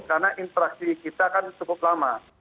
karena interaksi kita kan cukup lama